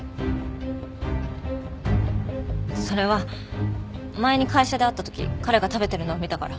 それは前に会社で会った時彼が食べてるのを見たから。